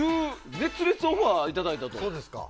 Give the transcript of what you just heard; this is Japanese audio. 熱烈オファーをいただいたと？